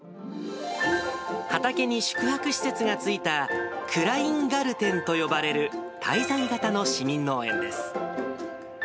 畑に宿泊施設がついたクラインガルテンと呼ばれる滞在型の市民農園です。